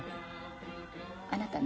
あなたね